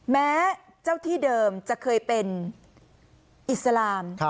แม้เจ้าที่เดิมจะเคยเป็นอิสลาม